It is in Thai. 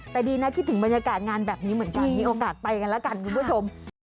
แต่ดีนะคิดถึงบรรยากาศงานแบบนี้เหมือนกันมีโอกาสไปกันแล้วกันคุณผู้ชม